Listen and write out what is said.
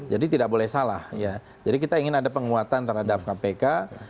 jadi tidak boleh salah ya jadi kita ingin ada penguatan terhadap kpk